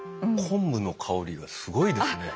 昆布の香りがすごいですね。